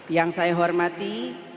yang saya hormati bapak wakil presiden